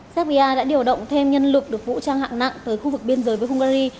serbia đã điều động thêm nhân lực được vũ trang hạng nặng tới khu vực biên giới với hungary